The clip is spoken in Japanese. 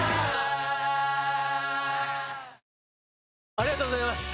ありがとうございます！